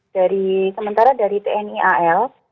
dari sementara dari tni al